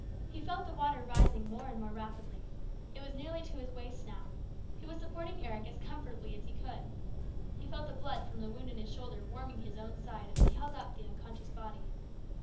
He felt the water rising more and more rapidly. It was nearly to his waist now. He was supporting Eric as comfortably as he could. He felt the blood from the wound in his shoulder warming his own side as he held up the unconscious body.